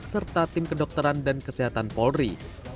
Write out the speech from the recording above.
serta tim kedokteran dan kesehatan polri